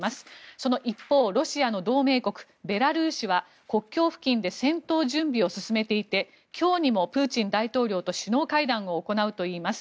その一方、ロシアの同盟国ベラルーシは国境付近で戦闘準備を進めていて今日にもプーチン大統領と首脳会談を行うといいます。